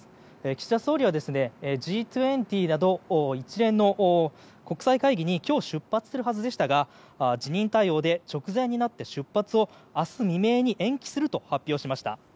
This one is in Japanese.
岸田総理はＧ２０など一連の国際会議に今日出発するはずでしたが辞任対応で、直前になって出発を明日未明に延期すると発表しました。